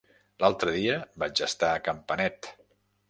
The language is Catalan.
L'altre dia vaig estar a Campanet.